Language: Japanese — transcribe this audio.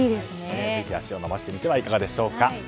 ぜひ足を延ばしてみてはいかがでしょうか。